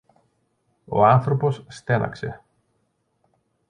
Ο άνθρωπος στέναξε.